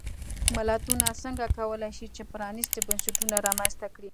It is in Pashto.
ملتونه څنګه کولای شي چې پرانیستي بنسټونه رامنځته کړي.